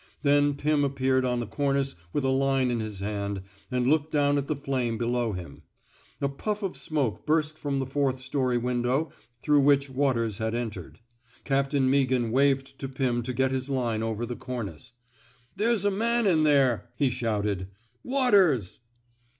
Then Pirn appeared on the cornice with a line in his hand, and looked down at the flame below him. * A puff of smoke burst from the fourth story window through which Waters had entered. Captain Meaghan waved to Pim to get his line over the cornice. There's a man in there, '* he shouted. '* Waters!